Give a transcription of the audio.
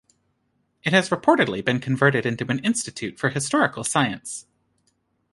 It has reportedly been converted into an institute for historical science.